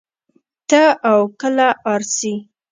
تۀ او کله ار سې